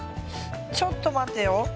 ちょっと待てよ。